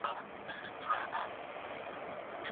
په تياره كي د جگړې په خلاصېدو سو